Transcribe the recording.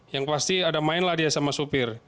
yang pasti ada main lah dia sama sopir